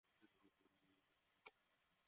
সেই কি gang leader?